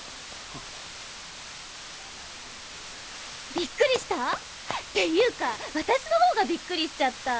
びっくりした？っていうか私のほうがびっくりしちゃった。